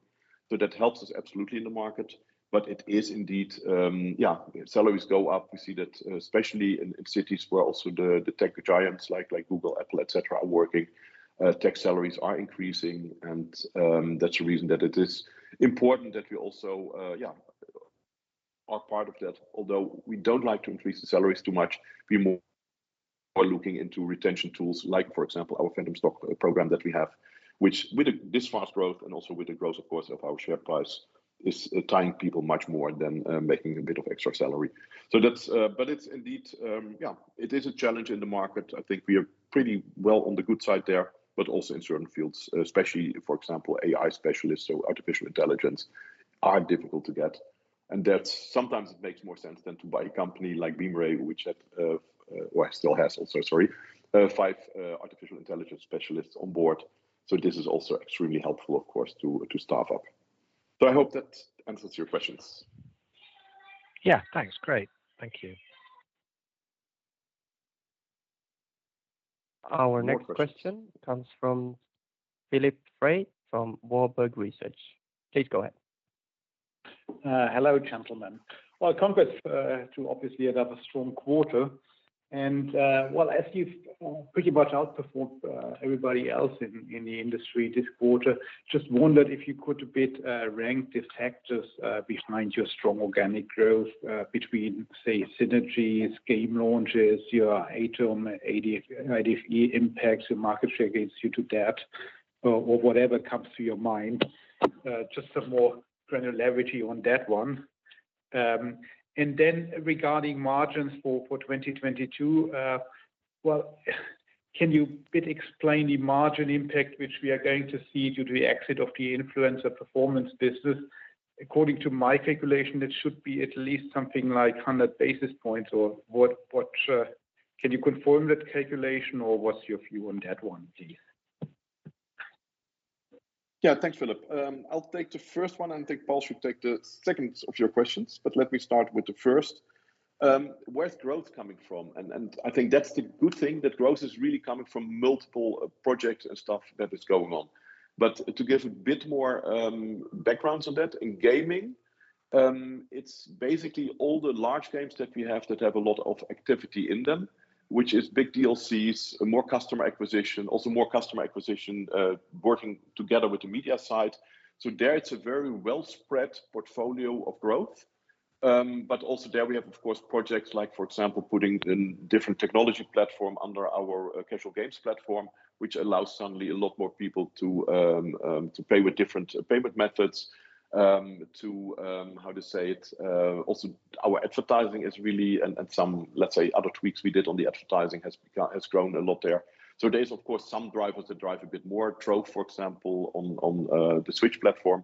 That helps us absolutely in the market. It is indeed. Salaries go up. We see that especially in cities where also the tech giants like Google, Apple, etc., are working. Tech salaries are increasing, and that's the reason that it is important that we also are part of that. Although we don't like to increase the salaries too much, we're more looking into retention tools, like, for example, our phantom stock program that we have, which with this fast growth and also with the growth, of course, of our share price, is tying people much more than making a bit of extra salary. But it's indeed a challenge in the market. I think we are pretty well on the good side there, but also in certain fields, especially, for example, AI specialists, so artificial intelligence, are difficult to get. That sometimes it makes more sense than to buy a company like Beemray, which had well still has also five artificial intelligence specialists on board. This is also extremely helpful, of course, to staff up. I hope that answers your questions. Yeah. Thanks. Great. Thank you. Our next question comes from Philipp Frey from Warburg Research. Please go ahead. Hello, gentlemen. Well, congrats to obviously another strong quarter. Well, as you've pretty much outperformed everybody else in the industry this quarter, just wondered if you could a bit rank the factors behind your strong organic growth between, say, synergies, game launches, your ATOM IDFA impact, your market share gains due to that, or whatever comes to your mind. Just some more granularity on that one. Regarding margins for 2022, well, can you a bit explain the margin impact which we are going to see due to the exit of the influencer performance business? According to my calculation, it should be at least something like 100 basis points or what. Can you confirm that calculation, or what's your view on that one, please? Yeah. Thanks, Philipp. I'll take the first one, and I think Paul should take the second of your questions. Let me start with the first. Where's growth coming from? I think that's the good thing, that growth is really coming from multiple projects and stuff that is going on. To give a bit more background on that, in gaming, it's basically all the large games that we have that have a lot of activity in them, which is big DLCs, more customer acquisition, working together with the media side. There it's a very well spread portfolio of growth. Also there we have, of course, projects like, for example, putting in different technology platform under our casual games platform, which allows suddenly a lot more people to pay with different payment methods. Also our advertising is really, and some, let's say, other tweaks we did on the advertising has grown a lot there. There is of course some drivers that drive a bit more growth, for example, on the Switch platform.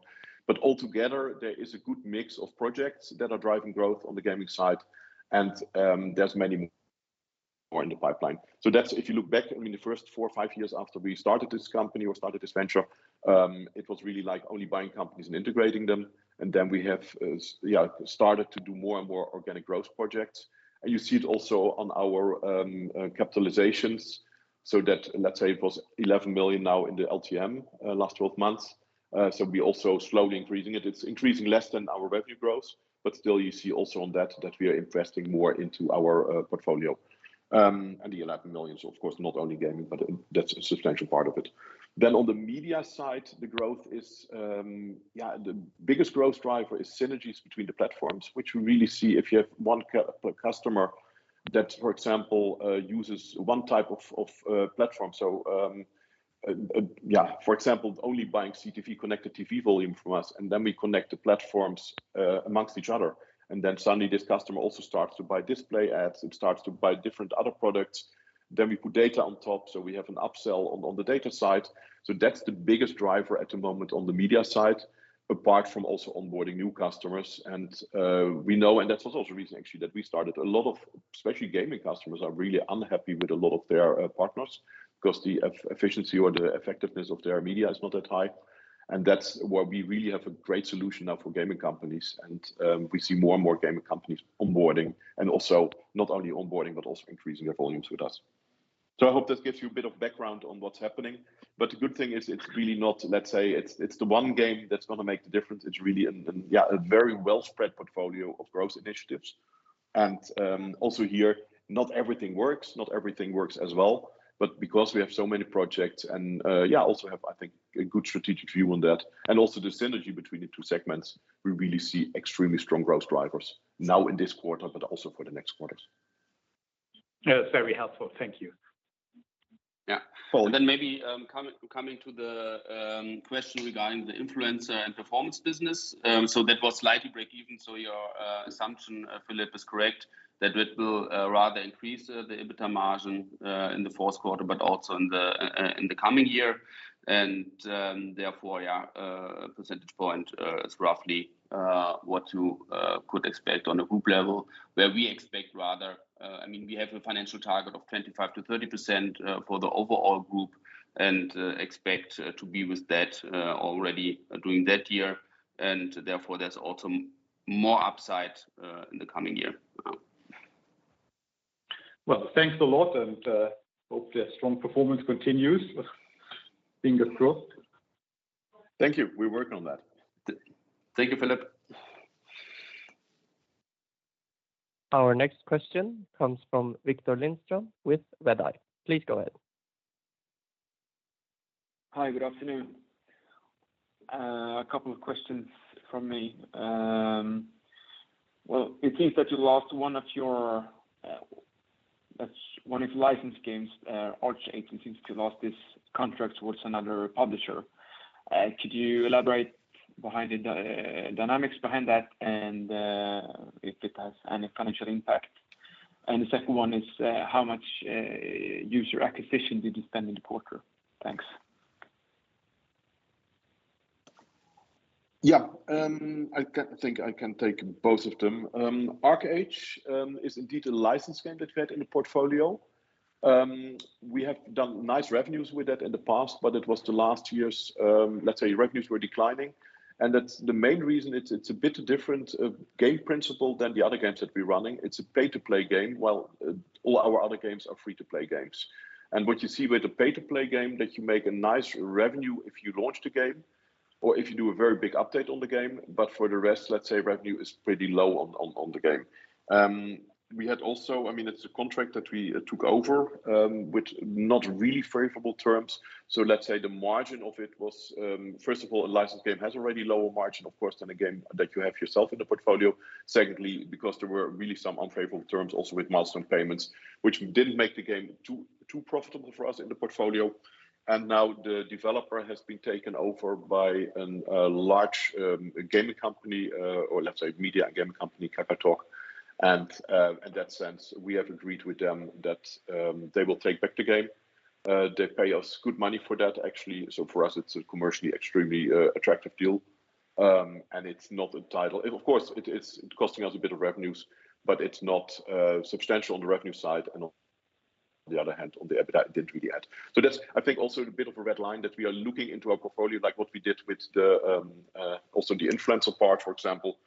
Altogether, there is a good mix of projects that are driving growth on the gaming side, and there's many more in the pipeline. That's if you look back, I mean, the first four or five years after we started this company or started this venture, it was really like only buying companies and integrating them. Then we have started to do more and more organic growth projects. You see it also on our CapEx. That, let's say it was 11 million now in the LTM, last 12 months. We also slowly increasing it. It's increasing less than our revenue growth, but still you see also on that we are investing more into our portfolio. The 11 million is of course not only gaming, but that's a substantial part of it. On the media side, the growth is, yeah, the biggest growth driver is synergies between the platforms, which we really see if you have one customer that, for example, uses one type of platform, yeah, for example, only buying CTV, connected TV volume from us, and then we connect the platforms among each other, then suddenly this customer also starts to buy display ads and starts to buy different other products. We put data on top, so we have an upsell on the data side. That's the biggest driver at the moment on the media side, apart from also onboarding new customers. We know, and that's also the reason actually that we started. A lot of, especially gaming customers, are really unhappy with a lot of their partners because the efficiency or the effectiveness of their media is not that high. That's where we really have a great solution now for gaming companies. We see more and more gaming companies onboarding, and also not only onboarding, but also increasing their volumes with us. I hope that gives you a bit of background on what's happening. The good thing is it's really not, let's say it's the one game that's gonna make the difference. It's really a very well spread portfolio of growth initiatives. Also here, not everything works as well. But because we have so many projects and, yeah, also have, I think, a good strategic view on that, and also the synergy between the two segments, we really see extremely strong growth drivers now in this quarter, but also for the next quarters. Very helpful. Thank you. Yeah. Cool. Maybe coming to the question regarding the influencer and performance business. That was slightly breakeven. Your assumption, Philipp, is correct that it will rather increase the EBITDA margin in the fourth quarter, but also in the coming year. Therefore, a percentage point is roughly what you could expect on a group level where we expect. I mean, we have a financial target of 25%-30% for the overall group and expect to be with that already during that year, and therefore there's also more upside in the coming year. Well, thanks a lot, and hopefully a strong performance continues. Fingers crossed. Thank you. We're working on that. Thank you, Philipp. Our next question comes from Viktor Lindström with Redeye. Please go ahead. Hi, good afternoon. A couple of questions from me. It seems that you lost one of your licensed games, ArcheAge. It seems you lost this contract to another publisher. Could you elaborate on the dynamics behind that and if it has any financial impact? The second one is, how much user acquisition did you spend in the quarter? Thanks. Yeah. I think I can take both of them. ArcheAge is indeed a licensed game that we had in the portfolio. We have done nice revenues with that in the past, but it was the last year's, let's say revenues were declining, and that's the main reason it's a bit different game principle than the other games that we're running. It's a pay-to-play game, while all our other games are free to play games. What you see with the pay-to-play game that you make a nice revenue if you launch the game or if you do a very big update on the game. For the rest, let's say revenue is pretty low on the game. We had also. I mean, it's a contract that we took over with not really favorable terms. Let's say the margin of it was, first of all, a licensed game has already lower margin, of course, than a game that you have yourself in the portfolio. Secondly, because there were really some unfavorable terms also with milestone payments, which didn't make the game too profitable for us in the portfolio. Now the developer has been taken over by a large gaming company, or let's say media and gaming company, Kakao. In that sense, we have agreed with them that they will take back the game. They pay us good money for that, actually. For us it's a commercially extremely attractive deal. It's not a title. Of course, it's costing us a bit of revenues, but it's not substantial on the revenue side and on the other hand, on the EBITDA it didn't really add. That's I think also a bit of a red line that we are looking into our portfolio, like what we did with also the influencer part, for example.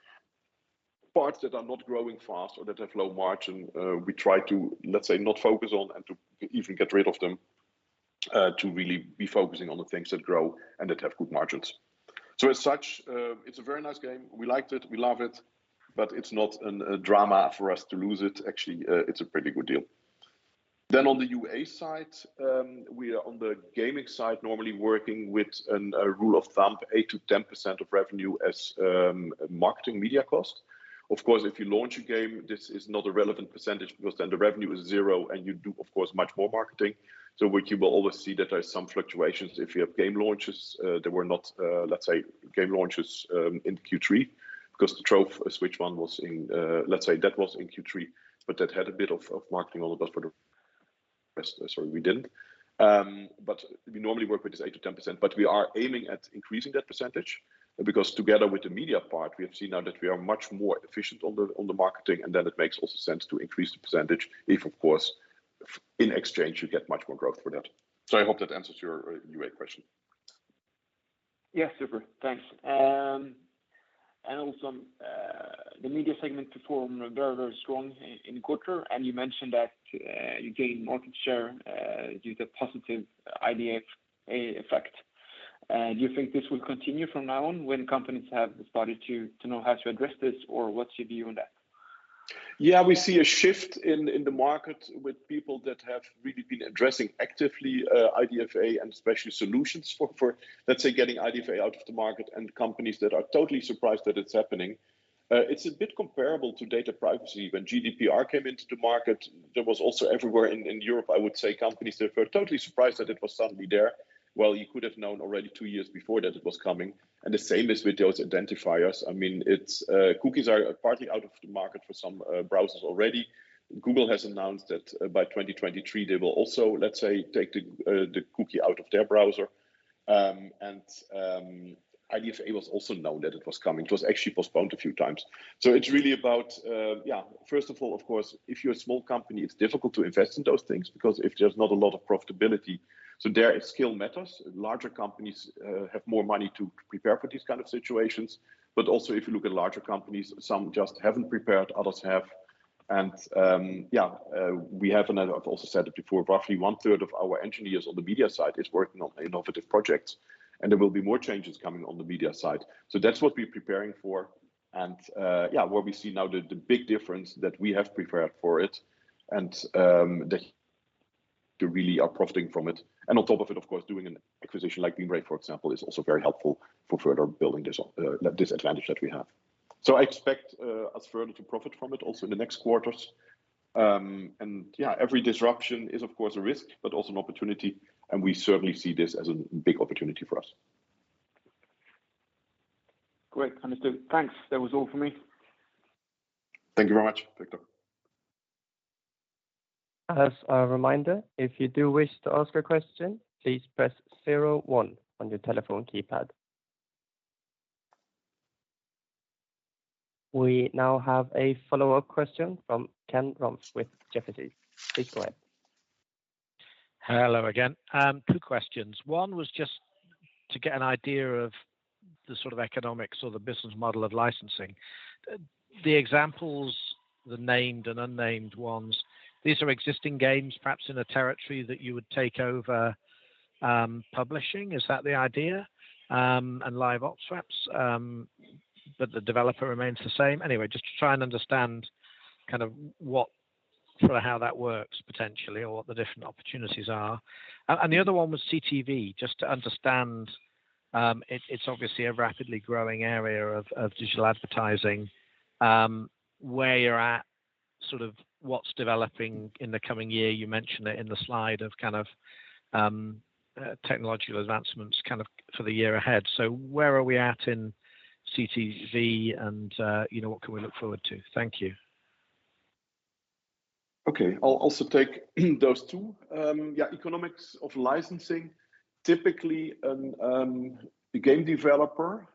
Parts that are not growing fast or that have low margin, we try to, let's say, not focus on and to even get rid of them, to really be focusing on the things that grow and that have good margins. As such, it's a very nice game. We liked it, we love it, but it's not a drama for us to lose it. Actually, it's a pretty good deal. On the UA side, we are on the gaming side, normally working with a rule of thumb, 8%-10% of revenue as marketing media cost. Of course, if you launch a game, this is not a relevant percentage because then the revenue is zero and you do of course much more marketing. You will always see that there are some fluctuations if you have game launches. There were not, let's say, game launches in Q3 because the Trove Switch one was in, let's say that was in Q3, but that had a bit of marketing above for the rest. Sorry, we didn't. We normally work with this 8%-10%, but we are aiming at increasing that percentage because together with the media part, we have seen now that we are much more efficient on the marketing, and then it makes also sense to increase the percentage if of course, in exchange you get much more growth for that. I hope that answers your UA question. Yeah. Super. Thanks. Also, the media segment performed very, very strong in the quarter, and you mentioned that you gained market share due to positive IDFA effect. Do you think this will continue from now on when companies have started to know how to address this, or what's your view on that? Yeah, we see a shift in the market with people that have really been addressing actively IDFA and especially solutions for, let's say, getting IDFA out of the market and companies that are totally surprised that it's happening. It's a bit comparable to data privacy. When GDPR came into the market, there was also everywhere in Europe, I would say, companies that were totally surprised that it was suddenly there, while you could have known already two years before that it was coming. The same is with those identifiers. I mean, it's cookies are partly out of the market for some browsers already. Google has announced that by 2023 they will also, let's say, take the cookie out of their browser. IDFA was also known that it was coming. It was actually postponed a few times. It's really about, first of all, of course, if you're a small company, it's difficult to invest in those things because if there's not a lot of profitability, so their scale matters. Larger companies have more money to prepare for these kind of situations. But also if you look at larger companies, some just haven't prepared, others have. We have, and I've also said it before, roughly 1/3 of our engineers on the media side is working on innovative projects, and there will be more changes coming on the media side. That's what we're preparing for. What we see now is the big difference that we have prepared for it and they too really are profiting from it. On top of it, of course, doing an acquisition like Beemray, for example, is also very helpful for further building this advantage that we have. I expect us further to profit from it also in the next quarters. Yeah, every disruption is of course a risk, but also an opportunity, and we certainly see this as a big opportunity for us. Great. Understood. Thanks. That was all for me. Thank you very much, Viktor. As a reminder, if you do wish to ask a question, please press zero one on your telephone keypad. We now have a follow-up question from Ken Rumph with Jefferies. Please go ahead. Hello again. Two questions. One was just to get an idea of the sort of economics or the business model of licensing. The examples, the named and unnamed ones, these are existing games perhaps in a territory that you would take over publishing. Is that the idea? And live ops perhaps, but the developer remains the same. Anyway, just to try and understand kind of what sorta how that works potentially or what the different opportunities are. The other one was CTV, just to understand, it's obviously a rapidly growing area of digital advertising, where you're at, sort of what's developing in the coming year. You mentioned it in the slide of kind of technological advancements kind of for the year ahead. Where are we at in CTV and, you know, what can we look forward to? Thank you. Okay. I'll also take those two. Economics of licensing. Typically, a game developer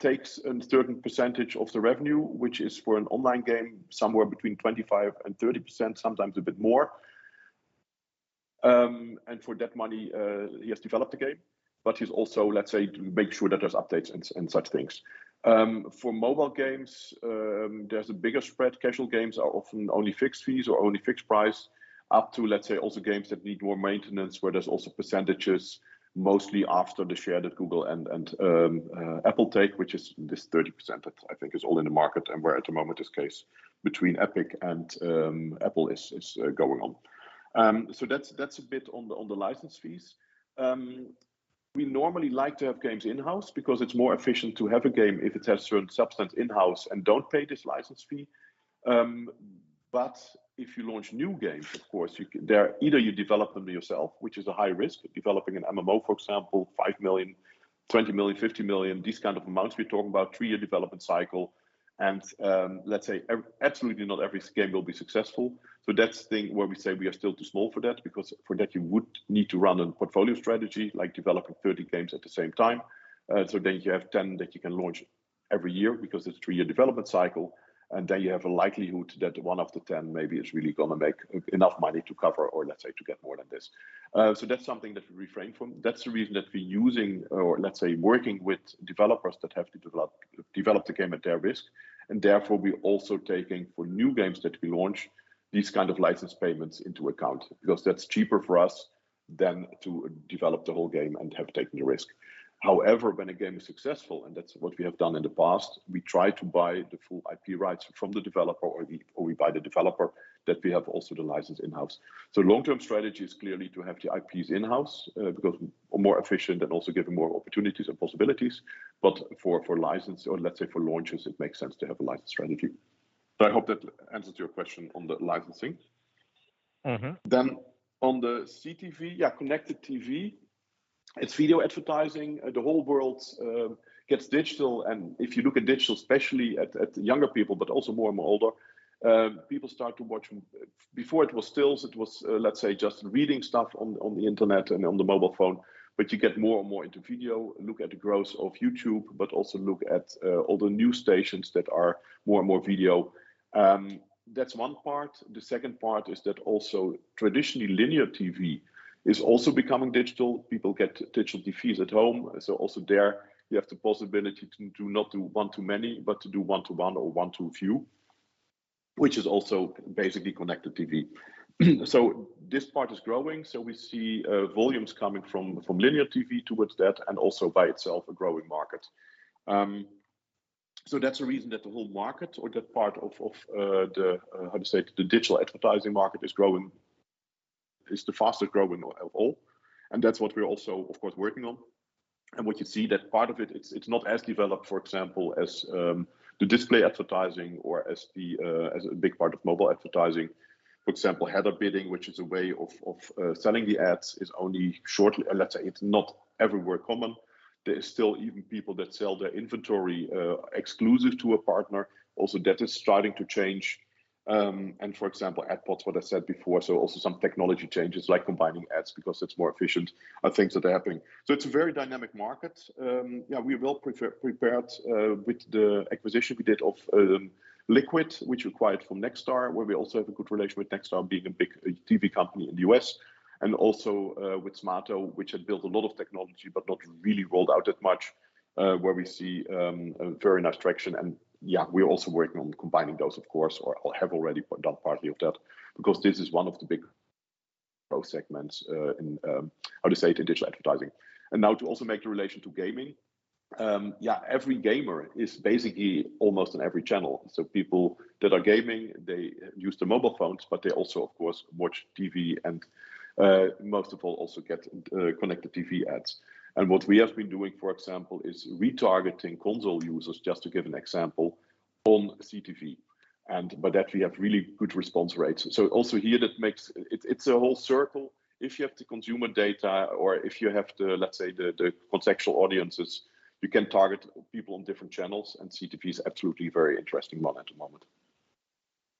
takes a certain percentage of the revenue, which is for an online game, somewhere between 25%-30%, sometimes a bit more. For that money, he has developed the game, but he's also, let's say, make sure that there's updates and such things. For mobile games, there's a bigger spread. Casual games are often only fixed fees or only fixed price up to, let's say, also games that need more maintenance, where there's also percentages mostly after the share that Google and Apple take, which is this 30% that I think is all in the market and where at the moment this case between Epic and Apple is going on. That's a bit on the license fees. We normally like to have games in-house because it's more efficient to have a game if it has certain substance in-house and don't pay this license fee. If you launch new games, of course, you can either develop them yourself, which is a high risk of developing an MMO, for example, 5 million, 20 million, 50 million, these kind of amounts we're talking about, three-year development cycle, and let's say absolutely not every game will be successful. That's the thing where we say we are still too small for that because for that you would need to run a portfolio strategy like developing 30 games at the same time. You have 10 that you can launch every year because it's a three-year development cycle, and then you have a likelihood that one of the 10 maybe is really gonna make enough money to cover or let's say to get more than this. That's something that we refrain from. That's the reason that we're using or let's say working with developers that have to develop the game at their risk, and therefore, we're also taking for new games that we launch these kind of license payments into account because that's cheaper for us than to develop the whole game and have taken the risk. However, when a game is successful, and that's what we have done in the past, we try to buy the full IP rights from the developer, or we buy the developer that we have also the license in-house. Long-term strategy is clearly to have the IPs in-house, because more efficient and also give more opportunities and possibilities. For license or let's say for launches, it makes sense to have a license strategy. I hope that answers your question on the licensing. Mm-hmm. On the CTV, yeah, connected TV, it's video advertising. The whole world gets digital. If you look at digital, especially at younger people, but also more and more older people start to watch. Before it was stills, it was let's say just reading stuff on the internet and on the mobile phone. You get more and more into video, look at the growth of YouTube, but also look at all the news stations that are more and more video. That's one part. The second part is that also traditionally linear TV is also becoming digital. People get digital TVs at home. Also there you have the possibility to do not do one to many, but to do one to one or one to few, which is also basically connected TV. This part is growing. We see volumes coming from linear TV towards that and also by itself a growing market. That's the reason that the whole market or that part of the digital advertising market is growing, is the fastest growing of all. That's what we're also, of course, working on. We can see that part of it's not as developed, for example, as the display advertising or as a big part of mobile advertising. For example, header bidding, which is a way of selling the ads, is only shortly. Let's say it's not everywhere common. There is still even people that sell their inventory exclusive to a partner. Also, that is starting to change. For example, ad podding, what I said before, so also some technology changes like combining ads because it's more efficient are things that are happening. It's a very dynamic market. Yeah, we're well prepared with the acquisition we did of LKQD, which we acquired from Nexstar, where we also have a good relation with Nexstar being a big TV company in the U.S., and also with Smaato, which had built a lot of technology but not really rolled out that much, where we see a very nice traction. Yeah, we're also working on combining those, of course, or have already done partly of that because this is one of the big growth segments in how to say it, in digital advertising. Now to also make the relation to gaming. Yeah, every gamer is basically almost on every channel. People that are gaming, they use their mobile phones, but they also of course watch TV and, most of all, also get connected TV ads. What we have been doing, for example, is retargeting console users, just to give an example, on CTV, but that we have really good response rates. Also here that makes it a whole circle. If you have the consumer data or if you have the, let's say, the contextual audiences, you can target people on different channels, and CTV is absolutely a very interesting one at the moment.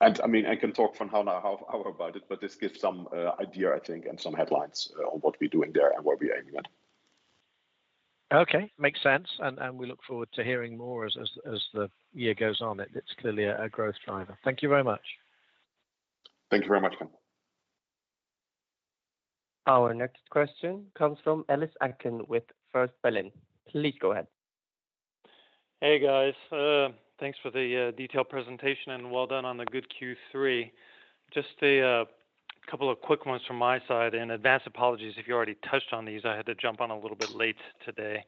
I mean, I can talk for an hour about it, but this gives some idea, I think, and some headlines on what we're doing there and where we're aiming at. Okay. Makes sense. We look forward to hearing more as the year goes on. It's clearly a growth driver. Thank you very much. Thank you very much, Ken. Our next question comes from Ellis Acklin with First Berlin. Please go ahead. Hey, guys. Thanks for the detailed presentation, and well done on the good Q3. Just a couple of quick ones from my side, and advance apologies if you already touched on these. I had to jump on a little bit late today.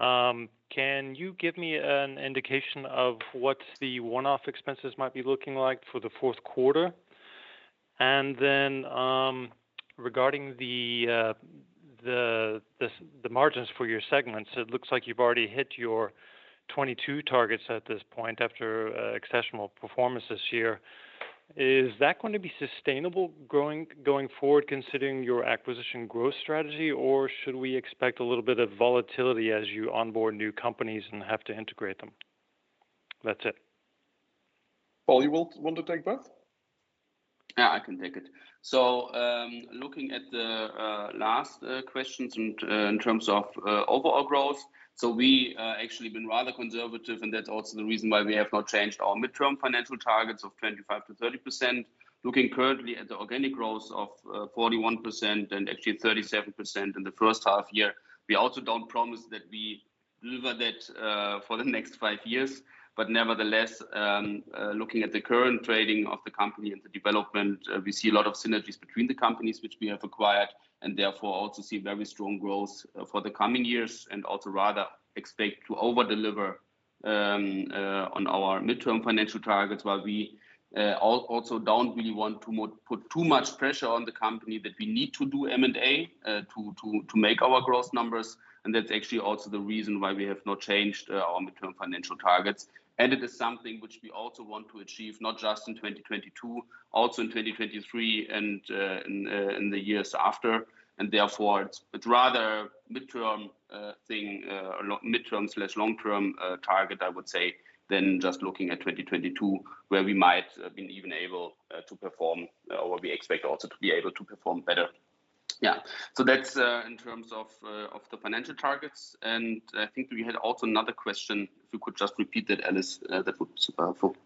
Can you give me an indication of what the one-off expenses might be looking like for the fourth quarter? Regarding the margins for your segments, it looks like you've already hit your 22 targets at this point after exceptional performance this year. Is that going to be sustainable going forward, considering your acquisition growth strategy, or should we expect a little bit of volatility as you onboard new companies and have to integrate them? That's it. Paul, you want to take that? Yeah, I can take it. Looking at the last questions in terms of overall growth, we actually been rather conservative, and that's also the reason why we have not changed our midterm financial targets of 25%-30%. Looking currently at the organic growth of 41% and actually 37% in the first half year. We also don't promise that we deliver that for the next five years. Nevertheless, looking at the current trading of the company and the development, we see a lot of synergies between the companies which we have acquired and therefore also see very strong growth for the coming years and also rather expect to overdeliver on our midterm financial targets, while we also don't really want to put too much pressure on the company that we need to do M&A to make our growth numbers. That's actually also the reason why we have not changed our midterm financial targets. It is something which we also want to achieve, not just in 2022, also in 2023 and in the years after. Therefore it's a rather midterm thing or midterms less long term target, I would say, than just looking at 2022, where we might have been even able to perform or we expect also to be able to perform better. Yeah. That's in terms of the financial targets. I think we had also another question. If you could just repeat that, Ellis, that would be super helpful.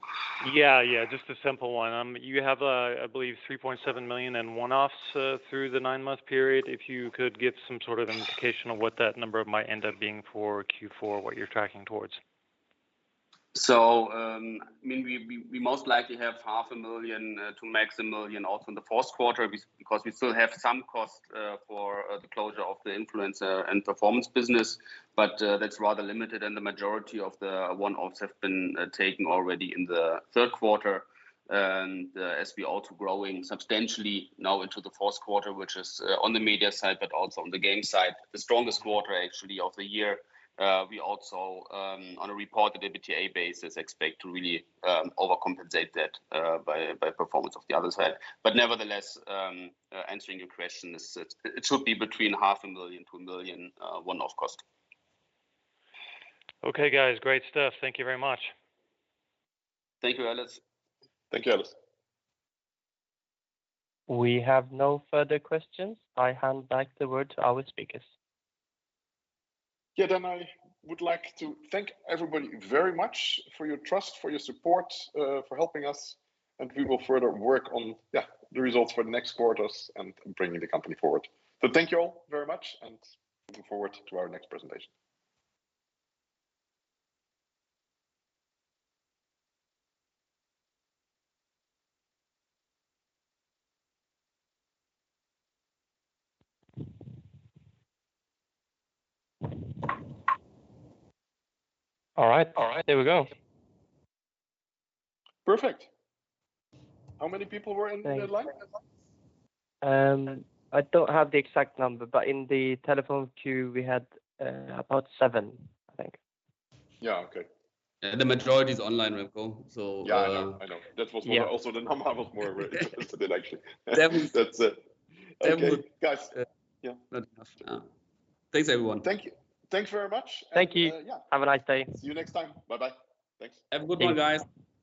Yeah, yeah, just a simple one. You have, I believe, 3.7 million in one-offs through the nine-month period. If you could give some sort of indication of what that number might end up being for Q4, what you're tracking towards. I mean, we most likely have 0.5 million to max 1 million also in the fourth quarter because we still have some cost for the closure of the influencer and performance business. That's rather limited, and the majority of the one-offs have been taken already in the third quarter. As we're also growing substantially now into the fourth quarter, which is on the media side but also on the game side, the strongest quarter actually of the year, we also on a reported EBITDA basis expect to really overcompensate that by performance of the other side. Nevertheless, answering your question, it should be between 0.5 million to 1 million one-off cost. Okay, guys. Great stuff. Thank you very much. Thank you, Ellis. Thank you, Ellis. We have no further questions. I hand back the word to our speakers. I would like to thank everybody very much for your trust, for your support, for helping us, and we will further work on the results for the next quarters and bringing the company forward. Thank you all very much and looking forward to our next presentation. All right. There we go. Perfect. How many people were in the line? I don't have the exact number, but in the telephone queue, we had about seven, I think. Yeah. Okay. The majority is online, Remco, so. Yeah, I know. That was more. Also, the number was more related to the line, actually. That was- That's it. That was- Okay. Guys. Yeah. That's enough. Yeah. Thanks, everyone. Thank you. Thanks very much. Thank you. Yeah. Have a nice day. See you next time. Bye-bye. Thanks. Have a good one, guys.